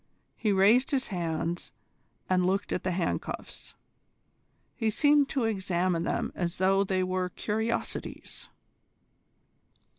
He raised his hands and looked at the handcuffs. He seemed to examine them as though they were curiosities.